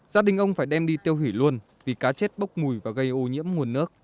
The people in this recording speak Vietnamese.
gia đình ông phải đem đi tiêu hủy luôn vì cá chết bốc mùi và gây ô nhiễm nguồn nước